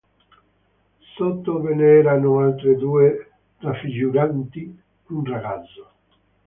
Sotto ve ne erano altre due raffiguranti un ragazzo.